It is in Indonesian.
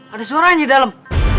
ada suara aja di dalam